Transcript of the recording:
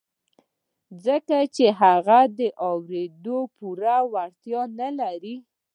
ځکه چې هغه د اورېدو پوره وړتيا نه لري.